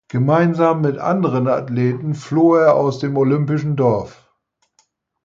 Gemeinsam mit anderen Athleten floh er aus dem Olympischen Dorf.